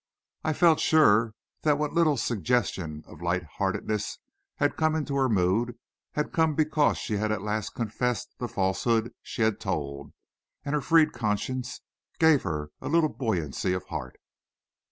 I felt sure that what little suggestion of lightheartedness had come into her mood had come because she had at last confessed the falsehood she had told, and her freed conscience gave her a little buoyancy of heart.